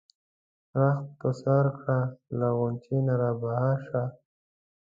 رخت په سر کړه له غُنچې نه را بهر شه.